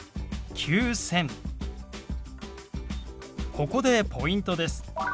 ここでポイントです。